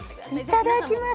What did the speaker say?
いただきます。